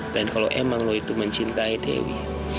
dan kalau emang lo itu mencintai dewi